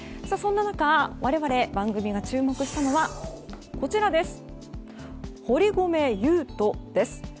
そんな中我々、番組が注目したのは堀米雄斗です。